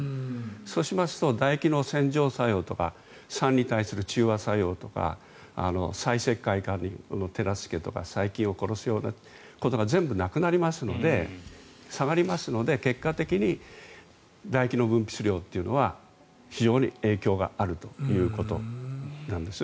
そうしますとだ液の洗浄作用とか酸に対する中和作用とか再石灰化の手助けとか細菌を殺すようなことが全部なくなりますので下がりますので、結果的にだ液の分泌量というのは非常に影響があるということなんです。